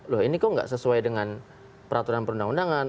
loh ini kok nggak sesuai dengan peraturan perundang undangan